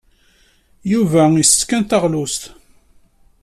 Yuba ittess kan taɣlust.